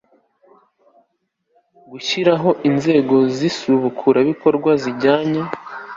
Gushyiraho intego z isubukurabikorwa zijyanye